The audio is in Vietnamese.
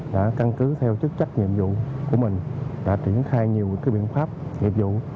đã căn cứ theo chức trách nhiệm vụ của mình đã triển khai nhiều biện pháp nghiệp vụ